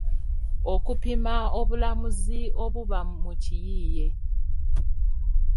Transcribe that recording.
Okupima obulamuzi obuba mu kiyiiye